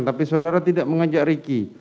tapi saudara tidak mengajak riki